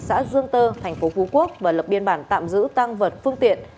xã dương tơ tp hcm và lập biên bản tạm giữ tăng vật phương tiện